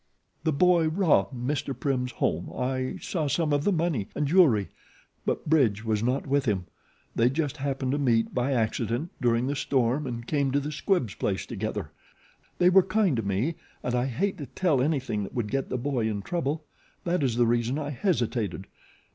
"The boy robbed Mr. Prim's home I saw some of the money and jewelry but Bridge was not with him. They just happened to meet by accident during the storm and came to the Squibbs place together. They were kind to me, and I hate to tell anything that would get the boy in trouble. That is the reason I hesitated.